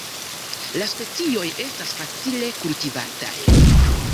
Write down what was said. La specioj estas facile kultivataj.